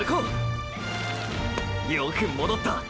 よく戻った！！